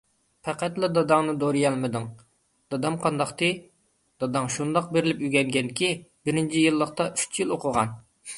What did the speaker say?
_ پەقەتلا داداڭنى دورىيالمىدىڭ؟ _ دادام قانداقتى؟ _ داداڭ شۇنداق بېرىلىپ ئۆگەنگەنكى، بىرىنچى يىللىقتا ئۈچ يىل ئوقۇغان.